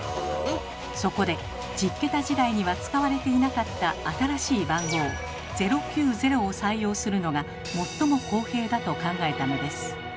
そこで１０桁時代には使われていなかった新しい番号「０９０」を採用するのが最も公平だと考えたのです。